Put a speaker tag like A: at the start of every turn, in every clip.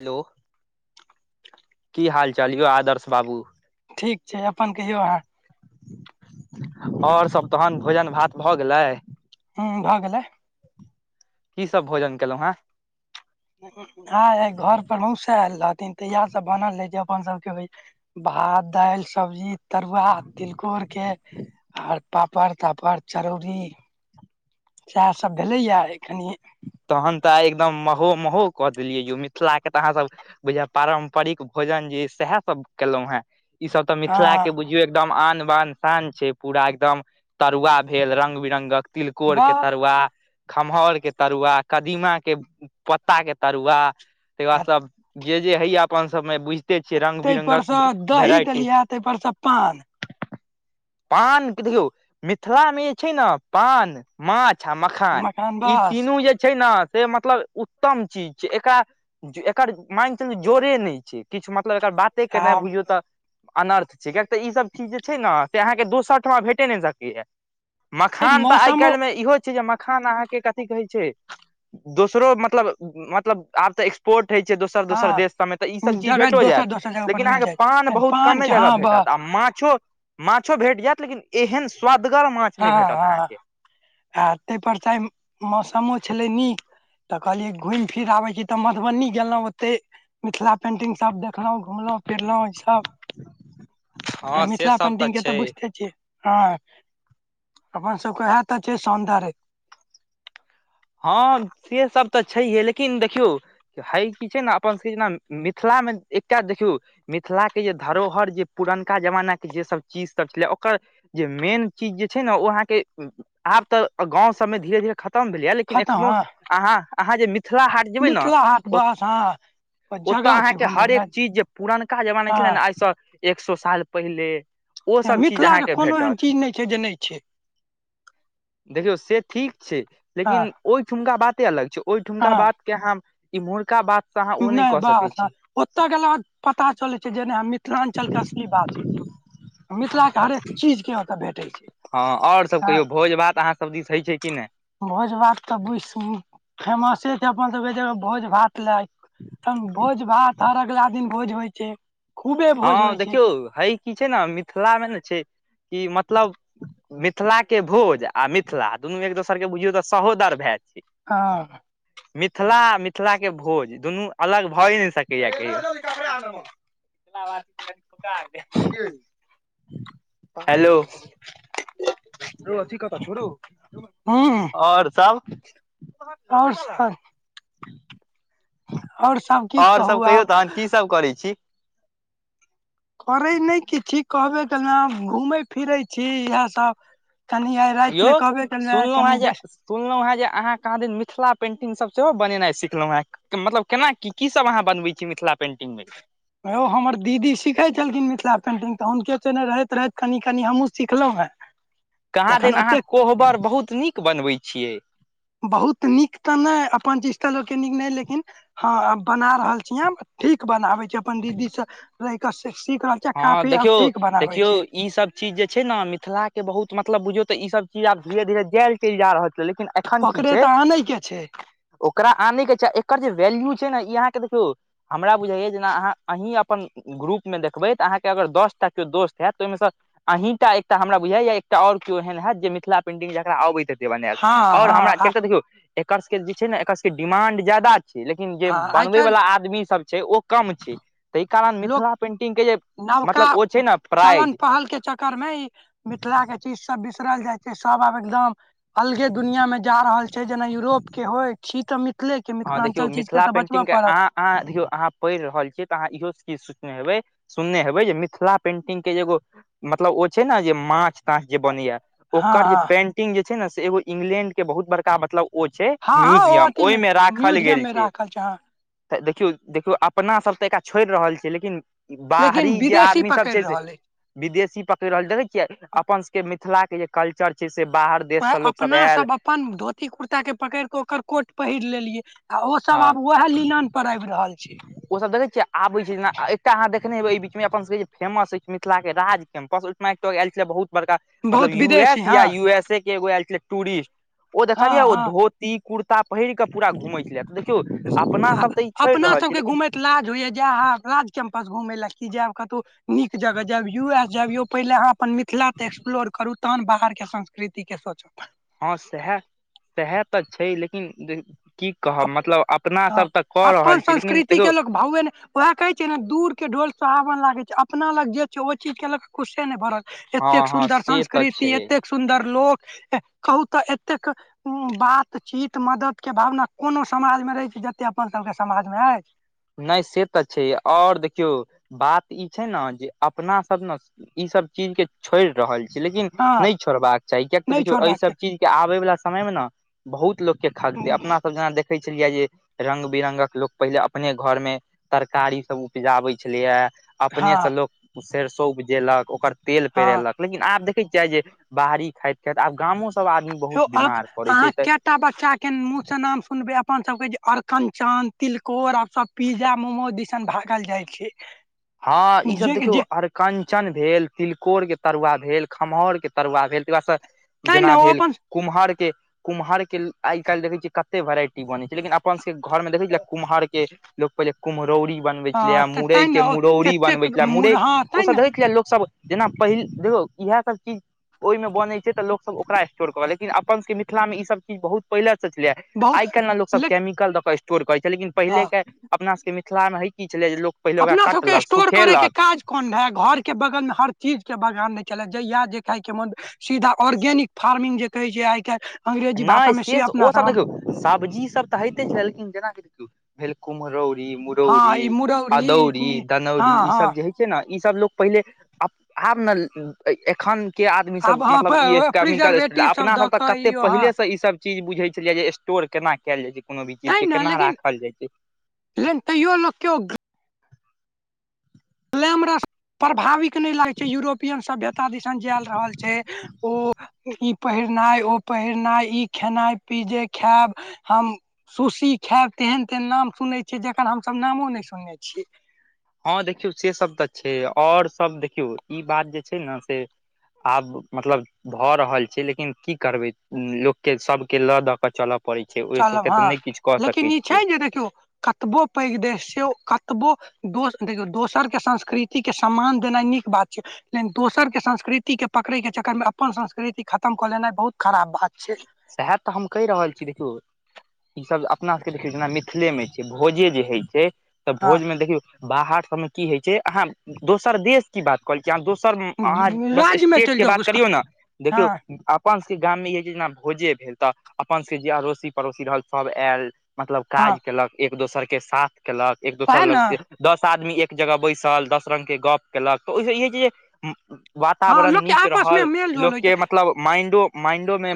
A: Hello की हाल-चाल यौ आदर्श बाबू?
B: ठीक छै, अपन कहियौ अहाँ?
A: और सब तहन भोजन भात भऽ गेलै?
B: हूं भऽ गेलै।
A: की सब भोजन केलो हें?
B: हुं-हुं-हुं आय घर पर मौसा ऐल रहथिन तऽ इहे सब बनल रहे जे अपन सबके वहि भात, दाल, सब्जी, तरुआ तिलकोर के। आर पापड़-तापड़ चरौड़ी। सैह सब भेलै यै आय खनी।
A: तहन तऽ आय एकदम महो-महो कऽ देलियै यौ, मिथिला के तऽ अहाँ सब भैया पारम्परिक भोजन जे तै सहे सब केलो हें। ई सब तऽ मिथिला
B: हँ
A: के बुझियो एकदम आन, बान, शान छीयै, पूरा एकदम तरुआ भेल रंग-बिरंगक तिलकोर के
B: वाह
A: तरुआ, खमहौर के तरुआ, कदीमा के पत्ता के तरुआ तै के बाद
B: आ
A: सब जे जे हय यै अपन सबमे बुझिते छियै,
B: ताहिपर
A: रंग-बिरंगक
B: सँ दही
A: भेराइटी।
B: देलियै ताहिपर सँ पान
A: पान के देखियौ, मिथिलामे जे छै नै पान माछ आ मखान
B: [unintelligible]
A: ई
B: बा
A: तीनू जे छै नै से मतलब उत्तम चीज छै, एकरा एकर मान के चलियौ जोड़े नै छै, किछ मतलब एकर बात ते
B: आ
A: करनाय बुझियौ तऽ अनर्थ छै, कियाकि ई सब चीज जे छै ने से अहाँके दोसर ठमा भेटे नै सकै यै। मखान तऽ आइ
B: मौसमो
A: काएल मे इहो छै जे मखान अहाँके कथी कहै छै दोसरो मतलब उम्म मतलब आब तै एक्स पोर्ट होइ छै दोसर-दोसर
B: हँ
A: देश सबमे तऽ ई सब चीज
B: जगह
A: भेटो
B: दोसर
A: जायत
B: दोसर जगह पर
A: लेकिन
B: मिल
A: अहाँके पान
B: जायत
A: बहुत कमे
B: के
A: जगह
B: हँ
A: भेटत। आ
B: बस
A: माछो-माछो भेट जायत लेकिन एहन स्वदगर माछ
B: हँ
A: नै भेटत
B: हँ
A: अहाँके।
B: आ तै पर से आय उम्म मौसमो छलै नीक। तऽ कहलियै घुम फिर आबे छी तऽ मधुबनी गेलौ ओते मिथिला पेंटिंग सब देखलहुं, घुमलहुँ फिरलहुँ ई सब
A: [inaudible] से
B: मिथिला
A: सब
B: पेंटिंग के तऽ
A: छै
B: बुझिते छियै, हँ। अपन सबके वैह त छियै सौन्दर्य।
A: हँ से सब तऽ छैहे लेकिन देखियौ है की छै ने अपन सबके जेना मिथिलामे एकटा देखियौ मिथिलाके जे धरोहर जे पुरनका जमानाके जे सब चीजसभ छलै ओकर जे मेन चीज जे छै ने ओ अहाँके आब तऽ गाँंव सबमे धीरे धीरे खतम भेलै लेकिन लेकिन
B: खतम
A: एखनो,
B: हँ
A: अहाँ अहाँ जे मिथिला हाट जेबै ने
B: मिथिला हाट
A: ओ
B: बस हँ
A: ओतय
B: जगह छै
A: अहाँके
B: घुमय
A: हर
B: वला
A: एक चीज जे पुरनका जमाना छलै ने
B: हँ
A: आइसँ एक सौ साल पहिले ओ सब चीज
B: मिथिला
A: अहां के
B: कोनो एहन
A: भेटत।
B: चीज नहि छै जे नहि छै
A: देखियौ से ठीक छै,
B: हँ
A: लेकिन ओहि ठुमका बाते अलग छै ओहि ठुमका
B: हँ
A: बात के हम इम्हुरका बात से अहाँ ओ नहि कऽ सकै
B: बस हँ
A: छी।
B: ओतय गेला पर पता चलै छै जेना मिथिलाञ्चल के असली वासी छी। मिथिला के हरेक चीज के ओतऽ भेट
A: हँ और सभ कहियौ भोज भात अहाँ सभ दिस होइ छै कि नहि।
B: भोज भात तऽ बेसी फेमसे छै अपन सभक भोज भात। भोज भात हर अगला दिन भोज होइ छै। खूबे भोज
A: हँ
B: होइ छै
A: देखियौ है कि छै ने मिथिला मे ने छै कि मतलब मिथिला के भोज आ मिथिला दुनू एक दोसर के बुझियौ तऽ सहोदर भाय छियै।
B: हँ।
A: मिथिला आ मिथिलाके भोज दुनू अलग भए नहि सकैए कहियो। Hello
B: hello. रौ अथि कतऽ छौ रौ।
A: आओर सब
B: और सब।
A: [inaudible]
B: और सब की कहू आब।
A: कि सब करै छी?
B: करै नै किछ छी कहबे केलौ, घूमै फिरै छी इएह सब कनिये रातिमे
A: यौ
B: कहबै केलिये
A: सुनलहुँ हेँ
B: कनि
A: जे
B: बेस
A: सुनलहुँ जे अहाँ कहाँ दिन मिथिला पेंटिंग सब सेहो बनेनाइ सिखलहुं हे मतलब केना की की सभ अहाँ बनबै छी मिथिला पेन्टिंगमे।
B: हौ हमर दीदी सीखै छलखिन मिथिला पेन्टिंग तऽ हुनके संगे रहैत रहैत कनि कनी हमहूँ सिखलहुँ हें।
A: कहाँ दैन अहाँ कोहबर बहुत नीक बनबै छियै।
B: बहुत नीक तऽ नै अपन दिसका लोकके तरह नीक नहि लेकिन हँ बना रहल छी हम ठीक बनाबे छी, अपन दीदी संग रहि क सीखल
A: हँ देखियौ, देखियौ ई सब चीज जे छै ने मिथिलाके बहुत मतलब बुझियौ तऽ ई सब चीज आब धीरे धीरे जाएल चलि जा रहल छै लेकिन एखन की
B: ओकरे
A: छै
B: तऽ आनै के छै
A: ओकरा आनै के छै, एकर जे वैल्यू छै ने ई अहाँके देखियौ हमरा बुझाय जेना अहाँ अहीं अपन ग्रुप मे देखबै त अहाँके अगर दसटा कियो दोस्त हैत तऽ ओहिमेसँ अँहीटा एकटा हमरा बुझाइये एकटा ओर किओ एहन हैत जे मिथिला पेंटिंग जकरा अबैत हेतै। देबन आयल
B: हँ
A: और हमरा
B: हँ
A: देखियौ एकर सबके जे छै ने एकर सबके डिमांड जादा छै लेकिन जे
B: आइ
A: बनबै
B: काल्हि
A: वला आदमी सभ छै ओ कम छै तहि कारण मिथिला पेंटिंग के जे
B: नबका
A: मतलब ओ छै ने
B: चलन
A: प्राइज
B: पहल के च कर नय मिथिला के चीज सब बिसरल जाइ छै सब आब एकदम अलगे दुनिया में जा रहल छै जेना यूरोप के होय, छी तऽ मि थलेके
A: हँ देखियौ
B: मिथिलांचल चीजके
A: मिथिला
B: तऽ बचबऽ
A: पेंटिंग के
B: पड़त।
A: अहाँ अहाँ देखियौ अहाँ पढ़ि रहल छीयै तऽ अहाँ इहो चीज सो ने सुनने हेबै जे मिथिला पेंटिंग के जे एगो मतलब ओ छै ने जे माछ माछ जे बनैया
B: हँ
A: ओकर जे
B: हँ
A: पेंटिंग जे छै ने से एगो इंग्लैंड के बहुत बड़का मतलब ओ छै
B: हँ हँ ओ
A: म्यूजियम
B: अथी मे
A: ओयमे राखल
B: म्यूजियम
A: गेल
B: मे
A: छै।
B: राखल हँ
A: त देखियौ देखियौ अपना सब तऽ एकरा छोड़ि रहल छीयै लेकिन ई बाहरी
B: लेकिन
A: जे
B: विदेशी
A: आदमी सब
B: पकड़ि
A: छै से
B: रहल अछि
A: विदेशी पकड़ रहल देख छियै अपन सबके मिथिला के जे कल्चर छै से बाहर देश
B: वएह
A: स लोक सब
B: अपना
A: ऐल
B: अपन धोती कुर्ता के पकैड़ क ओकर कोट पहिर लेलियै आ ओ सब आब वएह लीलन पर आबि रहल छै।
A: ओसभ देखै छियै आबैत छै जेना एकटा अहाँ देखने हेबै एहि बीचमे अपन सभके जे फेमस अछि मिथिला के राज कैम्पस ओहि मारिते लोग ऐल छलै बहुत बड़का मतलब
B: बहुत
A: यू
B: विदेशी
A: एस
B: हँ
A: या यू एस ए के एगो ऐल छलै टूरिस्ट ओ
B: हँ
A: देखलियै ओ
B: हँ
A: धोत ती कुर्ता पहिर क पूरा घुमै छलैयै त देखियौ अपना
B: आ
A: सब तऽ ई छोड़ि
B: अपना
A: रहल छी
B: सबके
A: लेकिन
B: घूमैत लाज होइया जा आ राज कैम्पस घूमै लए की जायब कतहु नीक जगह जैब यू एस जयब यो पहिले अहाँ अपन मिथिला ते एक्सप्लोर करु तहन बाहरके संस्कृति के सोचब
A: हँ सएह सएह तऽ छै लेकिन की कहब मतलब अपना सब तऽ कऽ रहल छी लेकिन देखौयौ
B: भावए ने वैह कहे छै ने दूर के ढोल सोहावन लागे छै अपना लग जे छै ओ चीज के लऽ क खुसे नै भऽ रहल
A: हँ
B: एतेक
A: हँ
B: सुन्दर
A: से तऽ
B: संस्कृति
A: छै
B: एतेक सुन्दर लोक कहू तऽ एतेक बातचीत मदद के भावना कोनो समाज मे रहै छै जते अपन सबके समाजमे अय।
A: नहि से तऽ छै ओर देखियौ बात ई छै ने जे अपना सब न ई सब चीज के छोड़ि रहल छी लेकिन
B: हँ
A: नहि छोड़बाक चाही कियैक तऽ
B: नहि
A: देखियौ
B: छोड़बाक छै
A: एहिसभ चीजके आबै वला समयमे न बहुत लोक के खगतै अपना सब जेना देखै छलियै जे रंग बिरंगक लोक पहिले अप अपने घर मे तरकारी सब उपजाबै छलैए अपने स
B: हँ
A: लोक सरिसो ऊपजेलक ओकर तेल
B: हँ
A: पेरेलक लेकिन आब देखै छियै जे बाहरी खाइत खाइत आब गामो सब आदमी
B: यौ
A: बहुत
B: अब
A: बीमार पड़ै
B: अहाँ
A: छै तऽ
B: कए टा बच्चा के मुंह स नाम सुनबै अपन सबके जे अरकञ्चन, तिलकोर आ सब पिज्जा, मोमो दिसन भागल जाइ छै।
A: हँ ई सब
B: जे
A: देखियौ
B: जे
A: अर कञ्चन भेल तिलकोरके तरुआ भेल खमहौरके तरुआ भेल तकर बाद स
B: तैं ने
A: जेना
B: ओ
A: भेल
B: अपन
A: कुम्हर के कुम्हरके आइ काल्हि देखैत छियै कते वेराइटी बनैत छै लेकिन अपन सभके घरमे देखै छलियै कुम्हरके लोक पहिले कुम्हरौरी बनवे
B: हँ
A: छलेै
B: तऽ
A: मुरई
B: तैं ने
A: के मुरौड़ी
B: एतेक
A: बनबे छले मुरई
B: मुरहा
A: ओ
B: तैं ने
A: सब देखै छलीयै लोक सब जेना पहिल देखौ इएह सब चीज ओहिमे बनैत छै तऽ लोकसभ ओकरा [unintelligible] लेकिन अपन सबके मिथिला मे ई सब चीज बहुत पहिले से छलैयै
B: बहुत
A: आइ काइल ने लोक सब
B: लेक
A: केमिकल दऽ क स्टो टोर करैत छै लेकिन
B: हँ
A: पहिलेके अपना सबके मिथिला मे है की छलै जे लोक पहिले ओकरा
B: अपना सबके
A: कटलक,
B: स्टोर करे के
A: सुखेलक
B: काज कोन रहै घर के बगलमे हर चीज के बगान रहै छलै जहिया जे खायके मन सीधा ऑर्गेनिक फार्मिंग जे कहे छै आइ काल्हि अंग्रेजी भाषा
A: नहि
B: में
A: से
B: अपना
A: ओ सब देख सब्जी सब तऽ होइते छै लेकिन जेनाकि देखियौ भेल कुम्हरौरी
B: हँ ई
A: दौरी,
B: मुरौरी
A: अदौरी, दनौरी
B: हँ
A: ई सब
B: हँ
A: जे हय ने ई सब लोक पहिले अब आब ने एखन के आदमी
B: आब
A: सब
B: हँ
A: मतलब ई केमिकल स्
B: प्रिजर्वेटिव
A: अपना
B: दऽ
A: सब तऽ
B: कऽ
A: कते
B: इो हँ
A: पहिले से ई सब चीज बुझे छलियै जे स्टोर केना कयल जाइ छै कोनो भी चीज
B: तै
A: के
B: ने
A: केना
B: लेकिन
A: राखल जाइ छै।
B: लेकिन तैयो लोक केो ले हमरा सँ प्रभाविक नहि लागै छै यूरोपियन सभ्यता दिसन जयल रहल छै। ओ ई पहिरनाइ, ओ पहिरनाइ ई, खेनाइ पी् जेे खायब। हम सुशी खायब तेहन-तेहन नाम सुनै छियै जकर हमसभ नामो नहि सुनने छियै।
A: हँ देखियौ से सब तऽ छै आओर सब देखियौ ई बात जे छै ने से आब मतलब भऽ रहल छै लेकिन की करबै लोकके सभके लऽ दऽ कऽ चलब।
B: चलब हँ लेकिन ई छै
A: छियै
B: जे देखियौ कतबो पैघ देश से कतबो दोस देखियौ दोसर के संस्कृति के सम्मान देनाइ नीक बात छै। लेकिन दोसरके संस्कृतिके पकड़ैके चक्करमे अपन संस्कृति खतम कऽ लेनाइ बहुत खराब बात छै।
A: सएह तऽ हम कहि रहल छी देखियौ। ईसभ अपना सभके देखियौ जेना मिथिलेमे छै भोजे जे होइ छै तऽ
B: हँ
A: भोजमे देखियौ बाहर सबमे की होइ छै अहाँ दोसर देश की बात कह छी हम दोसर अह ब
B: राज्य मे
A: स्टेट
B: चलि
A: के
B: जाउ
A: बात करियौ ने देखौ
B: हँ
A: अ अपन सभके गाममे इहे जेना भोजे भेल तऽ अपन सभके जे अड़ोसी-पड़ोसी रहल सभ आयल। मतलब
B: हँ
A: काज केलक एक दोसर के साथ केलक एक दोसर
B: ओएह ने
A: लग जे दस आदमी एक जगह बैसल दस रङंगगके गप्प केलक तऽ ओहिसँ ई होइ छै जे
B: हँ
A: वातावरण
B: लोक के
A: नीक
B: आपस मे
A: रहल
B: मेल जोल होइ छै
A: लोकके मतलब माइंडो-माइंडो मे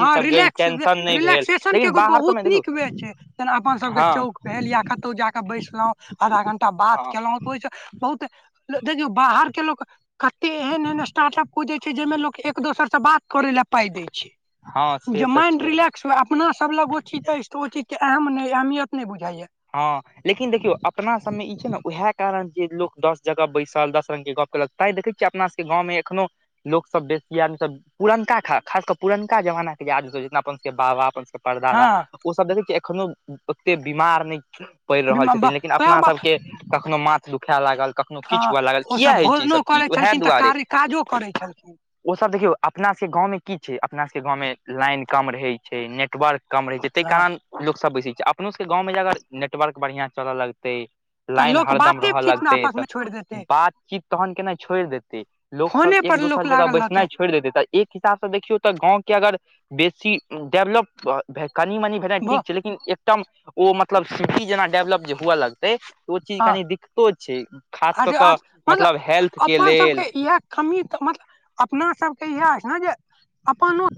B: हँ रिलैक्स वे रिलैक्सन के
A: लेकिन
B: एगो
A: बाहर सबमे
B: बहुत
A: देखू
B: नीकमे छै जेना अपन सबके
A: हँ
B: चौक भेल या कतौ जााके बैसलहु आधा घं्टा बात
A: हँ
B: केलहुं। [unintelligible] बहुत देखियौ बाहर के लोको कते एहन-एहन स्टार्ट अप हो छै। जाहिमें लोक एक दोसर से बात करे ला पााय देय छै।
A: हँ से
B: जे
A: तऽ
B: माइंड
A: छै
B: रिलैक्स हुए अपना सब लग ओ चीज अछि त ओ चीज के एहम ने अहमियत नहि बुझाायया।
A: हँ लेकिन देखियौ अपना सबमे ई छै ने उएह कारण जे लोक दस जगह बैसल दस रंग के गप ल तैं देखै छियै अपना सबके गाँवमे एखनो लोकसभ बेसी आदमीसभ, पुरनका खा खास कऽ पुरनका जमानाके आदमीसभ जितना अपन सभके बाबा अपन सभ परदादा
B: हँ
A: ओ सब देख एखनो ओते बीमार नहि पड़ि रहल छथिन लेकिन
B: वएह
A: अपना
B: बात
A: सबके कखनो माथ दुखा लागल कखनो किछु
B: हँ
A: हुअ लागल किए
B: ओसभ
A: होइ छै
B: भोजनो
A: ईसभ चीज
B: करै
A: उएह
B: छलखिन तऽ
A: दुआरे
B: कार्य काजो करै छलखिन
A: ओ सब देखियौ अपना सबके गाँवमे की छै, अपना सबके गाँवमे लाइन कम रहै छै नेटवर्क कम रहै छै ताहि
B: हँ
A: कारण लोकसभ बैसै छै अपनोसभके गाँवमे जे अगर नेटवर्क बढ़िआँ चलय लगतै
B: तऽ
A: लाइन
B: लोक
A: हरदम
B: बाते
A: रहय
B: चीत ने
A: लगते
B: आपस मे
A: तऽ
B: छोड़ि देतै
A: बातचीत तहन केना छोड़ि देतै लोक सब
B: फोने
A: एक
B: पर लोक
A: दोसर जगह
B: लागल
A: बैसना
B: रहतै
A: छै। छोड़ि देते तऽ एक हिसाब से देखियौ तऽ गाँव के अगर बेसी डेवलप भऽ भे कनि-मनी
B: ब
A: ठीक छै लेकिन एकम ओ मतलब सिटी जेना डेवलप जे हुए लगतै त ओ चीज
B: हँ
A: कनि दिक् को छै खास
B: आ जे
A: कऽ-कऽ मतलब हेल्थ के
B: अपन सबके
A: लेल
B: इएह कमी तऽ मतलब अपना सबके इएह ने जे अपनो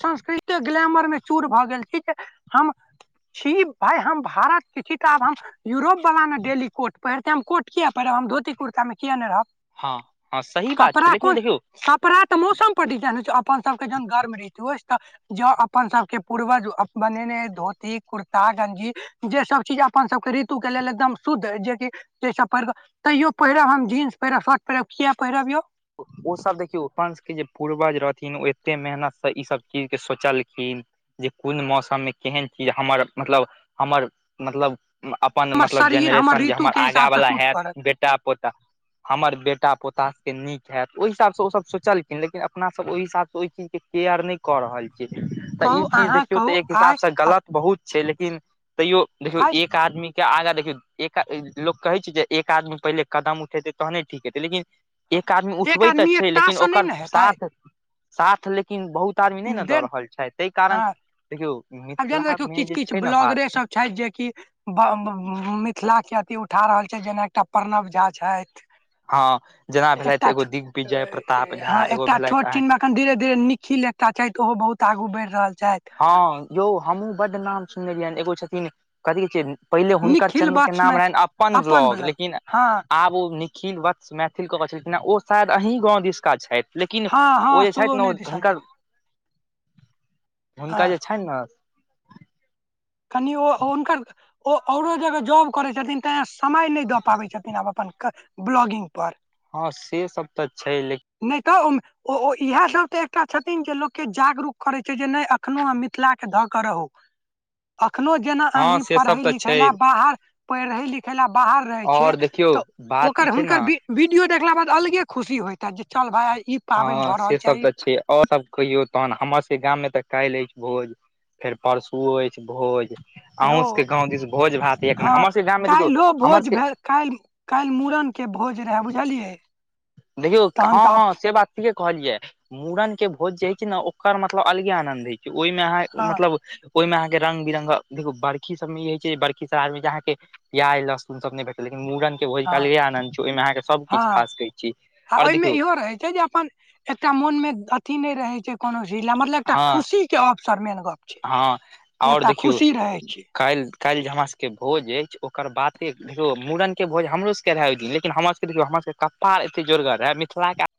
B: संस्कृते ग्लामर मे चूर भऽ गेल छै जे हम छी भाय हम भारत के छी तऽ आब हम यूरोप बला ने डेली कोट पहिरतै हम कोट कियै पहिरब हम धोती कुर्ता में किया नहि रहब
A: हँ हँ सही बात छै
B: कपड़ा
A: लेकिन
B: कोन
A: देखियौ
B: कपड़ा त मौसम पर डिजेन होई छै अपन सब के जहन गर्म रहे छै जॅं अपन सबके पूर्वज बनेने अहि धोती, कुर्ता, गंजी जे सब चीज अपन सभके ऋतु के लेल एकदम शुद्ध अइ जेकि जैसब पहिरक तैयो पहिरब हम जींस पहिरब शर्ट पहिरब किया पहिरब यौ
A: ओसभ देखियौ अपन सबके जे पूर्वज रहथिन ओ एते मेहनतसँ ईसभ चीजके सोचलखिन जे कोन मौसममे केहन चीज हमर मतलब हमर मतलब अप पन
B: हमर
A: मतलब
B: शरीर
A: जेनरेशन जे
B: ऋतु
A: हमर
B: के हिसाब
A: आगाँ
B: से
A: बला
B: सूट
A: हैत
B: करत
A: बेटा, पोता ता हमर बेटा पोता सबके नीक हैत ओहि हिसाब स ओ सब सोचलखिन लेकिन अपना सब ओहि हिसाब स ओहि चीज के केयर नहि कऽ रहल छी तऽ
B: कहू
A: ई चीज
B: अहाँ
A: देखियौ
B: कहू
A: तऽ एक
B: आइ
A: हिसाबसँ गलत बहुत छै लेकिन तैयो देखियौ एक
B: आइ
A: एक आदमी के आगाँ देखियौ एक आ लोक कहै छै जे एक आदमी पहिले कदम उठेतै तहने ठीक हेतै लेकिन एक आदमी
B: एक
A: उठबै तऽ
B: आदमी
A: छै
B: एकटा
A: लेकिन
B: सँ नहि
A: ओकर
B: ने हेतै
A: साथ साथ लेकिन बहुत आदमी नहि ने दऽ
B: देन
A: रहल छथि ताहि कारण
B: हँ
A: देखियौ
B: आब जेना देखियौ
A: मिथिलामे
B: किछ
A: जे
B: किछ
A: छै ने बात
B: ब्लॉगरे सब छैथ जेकि मिथिला के अथी उठा रहल छैथ जेना एकटा प्रणव झा छथि
A: हँ जेना भेलथि
B: एकटा
A: एगो
B: छ
A: दिग्विजय प्रताप झा
B: हँ
A: एगो
B: एकटा
A: भेलथि
B: छोट
A: अहाँ
B: छिनमें अखन धीरे धीरे निखिल एकटा छथि ओहो बहुत आगू बढ़ि रहल छथि
A: हँ यौ हमहूँ बड नाम सुनने रहियैनि एगो छथिन कथि कहै छै पहिले हुनकर
B: निखिल
A: चैनल के नाम
B: वात्समैन
A: रहनि अपन ब्लॉग
B: बला
A: लेकिन
B: हँ
A: आब ओ निखिल वत्स मैथिल कऽ कह छलखिनै ओ शायद अहीं गाँव दिसका छथि लेकिन
B: हँ हँ
A: ओ जे छथि ने
B: सुगौने
A: ओ
B: दिसन के
A: हुनकर हुनका
B: हँ
A: जे छनि ने
B: कनि ओ उनकर ओ औरो जगह जॉब करै छथिन तैं समय नहि दऽ पाबै छथिन आब अपन क ब्लॉगिंग पर
A: हँ से सब तऽ छै लेकि
B: नहि तऽ उम ओ ओ इएहसभ तऽ एकटा छथिन जे लोककेँ जागरूक करैत छै जे नहि एखनहु अहां मिथिलाकेँ धऽ कऽ रहू अखनो जेना
A: हँ
B: अहीं
A: से सब
B: पढ़ै
A: तऽ
B: लिखै
A: छै
B: लै बाहर पढ़ै लिखै लै बाहर रहै छिय
A: और देखियौ
B: तऽ
A: बात ई
B: ओकर
A: छै ने
B: हुनकर वी वीडियो देखला बाद अलगे खुशी होइत हैत जे चल भाय आय ई पाबनि
A: हँ
B: भऽ
A: से
B: रहल
A: सब
B: आइ ई
A: तऽ छै आओर सब कहियौ तहन हमर सबके गाममे तऽ काल्हि अछि भोज। फेर परसूओ अछि भोज
B: यौ
A: अहूँ सबके गाँव दिस भोज भात एक न हमर सबके गाममें देखियौ हमर सबके
B: काइल काइल मूड़न के भोज रहे बुझलियै
A: देखियौ
B: तहन
A: हँ
B: तऽ
A: हँ
B: आब
A: से बात ठीके कहलियै मूड़न के भोज जे हय छै न ने ओकर मतलब अलगे आनंद हय ओहिमे अहाँ
B: हँ
A: मतलब ओहिमे अहाँके रंग बिरंग देखियौ बर्खी सब में ई हय छै जे बरखी श्राध में जे अहाँके प्याज, लहसुन सब नहि भेटत लेकिन मूड़न के भोज के
B: हँ
A: अलगे आनन्द छै ओहिमे अहाँकेँ सब किछ
B: हँ
A: खा सकै छि।
B: आ ओहिमे इहो रहै छै जे अपन एकटा मोनमे अथी नहि रहै छै। कोनो चिज लै मतलब एकटा
A: हँ
B: खुशी के अवसर मेन गप छै, एकटा खुशी रहै छै।
A: काइल-काइल जे हमरा सबके भोज ऐछ ओकर बाते देखियौ मुड़न के भोज हमरो सबके रहै ओय दिन लेकिन हमर सबके देखियौ हमर सबके कपाड़ एते जोरगर रहै मिथिलाके आ